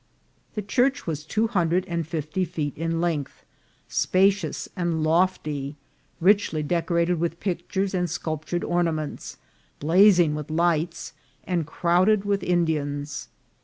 The church was two hundred and fifty feet in length, spacious and lofty, richly decorated with pictures and sculptured or naments, blazing with lights, and crowded with In dians.